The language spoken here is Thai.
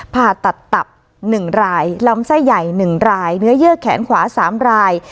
ผ่าตัดตับ๑รายลำไส้ใหญ่๑รายเนื้อเยื่อแขนขวา๓ราย